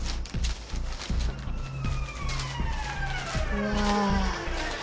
うわ。